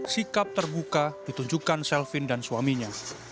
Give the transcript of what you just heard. sikap terbuka ditunjukkan selvin dan suaminya